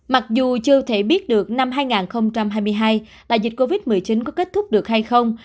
mặc dù chưa thể biết được năm hai nghìn hai mươi hai đại dịch covid một mươi chín có kết thúc được hay không